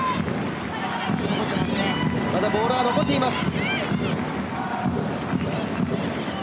まだボールは残っています。